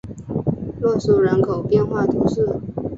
洛苏人口变化图示